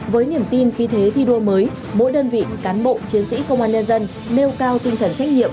với niềm tin khi thế thi đua mới mỗi đơn vị cán bộ chiến sĩ công an nhân dân